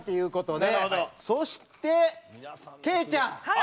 そしてケイちゃん。